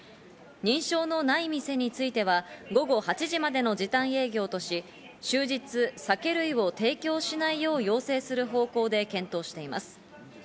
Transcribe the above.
認証のない店については午後８時までの時短営業とし、終日酒類を提供しないよう要請する方向で検討しています。